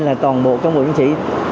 nha mọi người